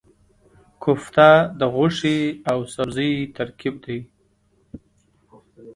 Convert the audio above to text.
کوفته د غوښې او سبزي ترکیب دی.